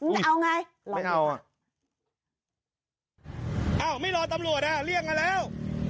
อ้าวไม่รอตำรวจอ่ะเรียกมาแล้วไม่รอตำรวจอ่ะเรียกมาแล้ว